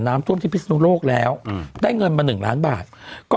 น้ำท่วมที่พิศนุโลกแล้วอืมได้เงินมาหนึ่งล้านบาทก็